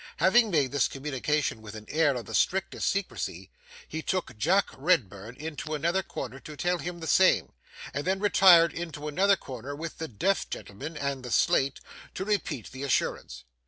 Having made this communication with an air of the strictest secrecy, he took Jack Redburn into another corner to tell him the same, and then retired into another corner with the deaf gentleman and the slate, to repeat the assurance.